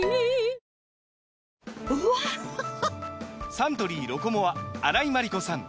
サントリー「ロコモア」荒井眞理子さん